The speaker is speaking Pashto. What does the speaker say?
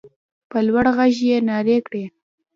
په لوړ غږ يې نارې کړې.